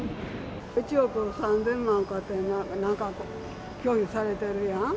１億３０００万やかなんか、拒否されてるやん？